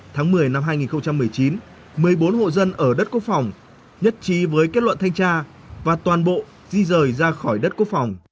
tháng một mươi năm hai nghìn một mươi chín một mươi bốn hộ dân ở đất quốc phòng nhất trí với kết luận thanh tra và toàn bộ di rời ra khỏi đất quốc phòng